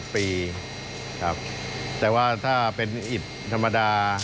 ปีครับแต่ว่าถ้าเป็นอิดธรรมดา